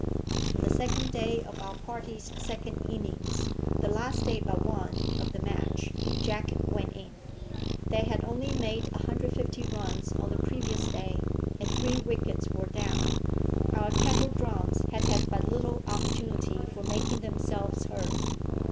On the second day of our party's second innings, the last day but one of the match, Jack went in. They had only made 150 runs on the previous day, and three wickets were down. Our kettle drums had had but little opportunity for making themselves heard.